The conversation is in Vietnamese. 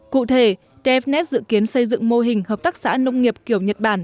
cụ thể dfnns dự kiến xây dựng mô hình hợp tác xã nông nghiệp kiểu nhật bản